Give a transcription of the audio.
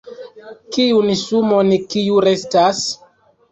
Kiun sumon kiu restas??